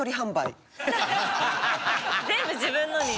全部自分のに？